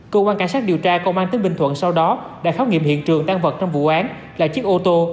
cơ quan cảnh sát điều tra công an tỉnh bình thuận sau đó đã khám nghiệm hiện trường tan vật trong vụ án là chiếc ô tô